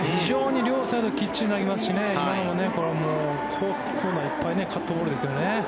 両サイドきっちり投げますし今のもコーナーいっぱいカットボールですよね。